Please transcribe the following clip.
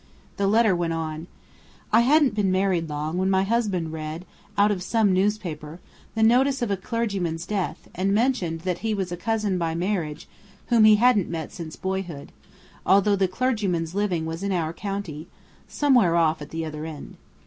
The letter went on: I hadn't been married long when my husband read out of some newspaper the notice of a clergyman's death, and mentioned that he was a cousin by marriage whom he hadn't met since boyhood, although the clergyman's living was in our county somewhere off at the other end.